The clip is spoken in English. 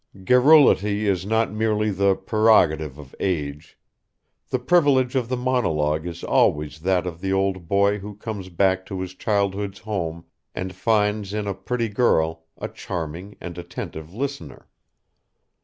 Garrulity is not merely the prerogative of age; the privilege of the monologue is always that of the old boy who comes back to his childhood's home and finds in a pretty girl a charming and attentive listener.